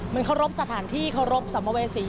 มันเคารพสถานที่เคารพสัมภเวษี